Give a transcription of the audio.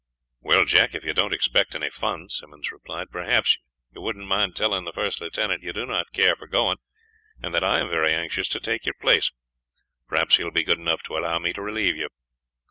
"Well, Jack, if you don't expect any fun," Simmons replied, "perhaps you wouldn't mind telling the first lieutenant you do not care for going, and that I am very anxious to take your place. Perhaps he will be good enough to allow me to relieve you."